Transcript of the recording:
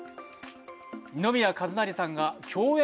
二宮和也さんが共演